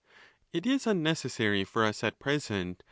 it is unnecessary for us at present.